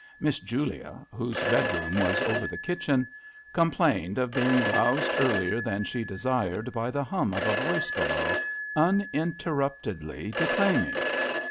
" Miss Julia," whose bedroom was over the kitchen, complained of being . roused earlier than she desired by the hum of a voice below, uninterruptedly declaiming.